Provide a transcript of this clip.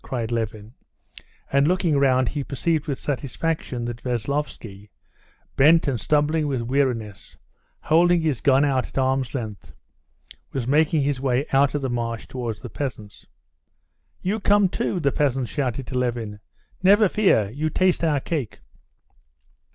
cried Levin, and looking round he perceived with satisfaction that Veslovsky, bent and stumbling with weariness, holding his gun out at arm's length, was making his way out of the marsh towards the peasants. "You come too!" the peasants shouted to Levin. "Never fear! You taste our cake!"